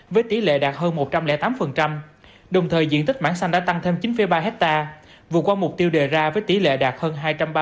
với tỷ lệ đạt hơn một trăm linh tám đồng thời diện tích mảng xanh đã tăng thêm chín ba hectare vượt qua mục tiêu đề ra với tỷ lệ đạt hơn hai trăm ba mươi